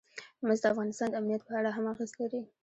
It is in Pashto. مس د افغانستان د امنیت په اړه هم اغېز لري.